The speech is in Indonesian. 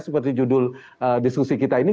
seperti judul diskusi kita ini